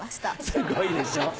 すごいでしょう。